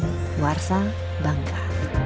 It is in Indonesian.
desi aditonam warsa bangka